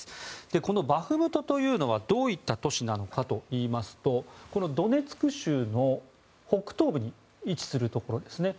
このバフムトというのはどういう都市なのかというとこのドネツク州の北東部に位置するところですね。